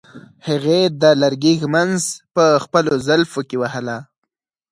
هغې د لرګي ږمنځ په خپلو زلفو کې وهله.